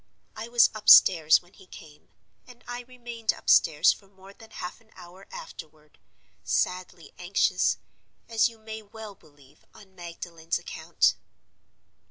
I was upstairs when he came; and I remained upstairs for more than half an hour afterward, sadly anxious, as you may well believe, on Magdalen's account.